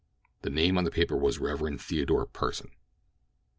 The name on the paper was "Rev. Theodore Pursen."